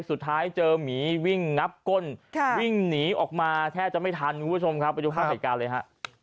สุดท้ายเจอหมีวิ่งงับก้นวิ่งหนีออกมาแทบจะไม่ทันคุณผู้ชมครับไปดูภาพเหตุการณ์เลยฮะ